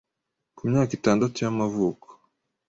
ku myaka itandatu y’amavuko